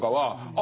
あ